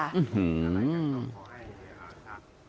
อื้อหือ